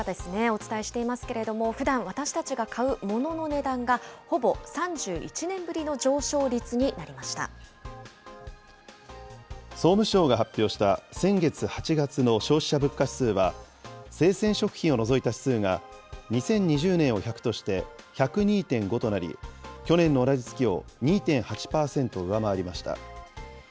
お伝えしていますけれども、ふだん私たちが買うものの値段が、ほぼ３１年ぶりの上昇率になりまし総務省が発表した、先月・８月の消費者物価指数は、生鮮食品を除いた指数が２０２０年を１００として、１０２．５となり、去年の同じ月を２．８％上回りました。